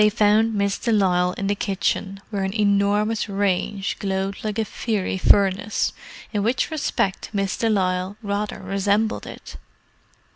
They found Miss de Lisle in the kitchen, where an enormous range glowed like a fiery furnace, in which respect Miss de Lisle rather resembled it.